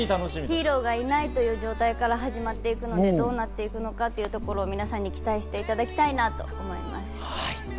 ヒーローがいない状態から始まるので、どうなってい行くか皆さんに期待してもらいたいと思います。